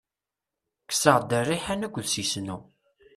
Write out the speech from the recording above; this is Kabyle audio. Kkseɣ-d rriḥan akked sisnu.